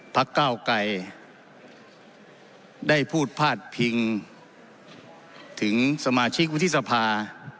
ก้าวไกรได้พูดพาดพิงถึงสมาชิกวุฒิสภา